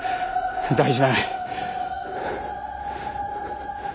大事ない。